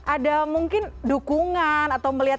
ada mungkin dukungan atau melihat